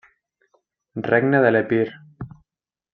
Regne de l'Epir.